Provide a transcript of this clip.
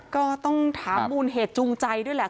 ก็ต้องถามมูลเหตุจูงใจด้วยแหละ